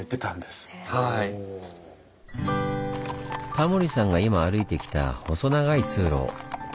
タモリさんが今歩いてきた細長い通路。